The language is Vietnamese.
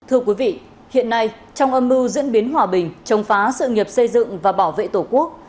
thưa quý vị hiện nay trong âm mưu diễn biến hòa bình trông phá sự nghiệp xây dựng và bảo vệ tổ quốc